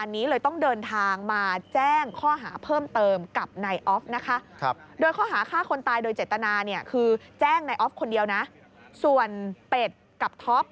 ในออฟต์คนเดียวนะส่วนเป็ดกับท็อป